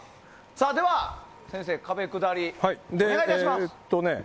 では、先生壁下りお願いいたします。